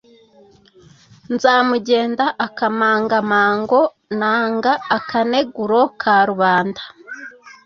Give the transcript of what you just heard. Nzamugenda akamangamango nanga akaneguro ka rubanda